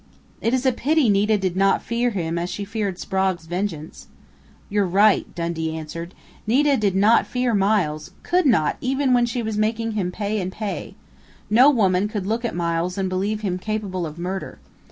It is a pity Nita did not fear him as she feared Sprague's vengeance " "You're right," Dundee answered. "Nita did not fear Miles, not even when she was making him pay and pay.... No woman could look at Miles and believe him capable of murder.